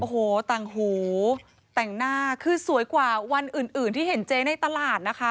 โอ้โหแต่งหูแต่งหน้าคือสวยกว่าวันอื่นที่เห็นเจ๊ในตลาดนะคะ